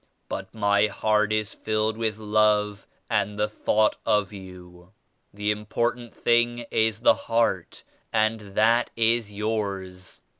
But my heart is filled with love and the thought of you. The import ant thing is the heart and that is yours.